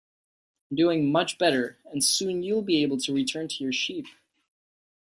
I'm doing much better, and soon you'll be able to return to your sheep.